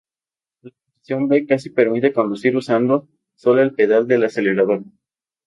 La posición B casi permite conducir usando sólo el pedal del acelerador.